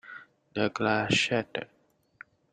The glass shattered.